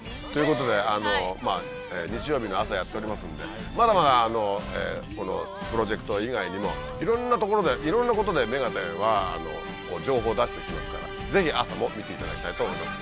ことで日曜日の朝やっておりますんでまだまだこのプロジェクト以外にもいろんな所でいろんなことで『目がテン！』は情報を出して行きますからぜひ朝も見ていただきたいと思います。